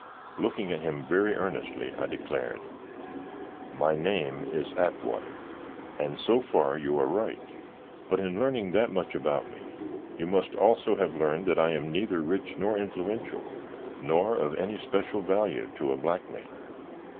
Looking at him very earnestly, I declared: "My name is Atwater, and so far you are right, but in learning that much about me you must also have learned that I am neither rich nor influential, nor of any special value to a blackmailer.